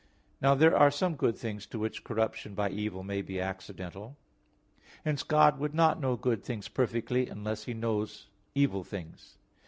Now there are some good things to which corruption by evil may be accidental. Hence God would not know good things perfectly, unless He also knew evil things.